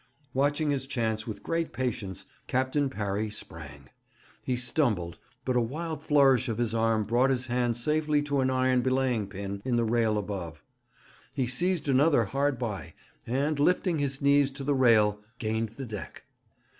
Watching his chance with great patience, Captain Parry sprang. He stumbled; but a wild flourish of his arm brought his hand safely to an iron belaying pin in the rail above. He seized another hard by, and, lifting his knees to the rail, gained the deck.